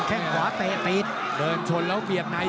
แค่ขวาจะเตะตีน